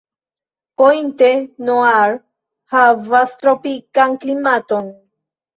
Pointe-Noire havas tropikan klimaton.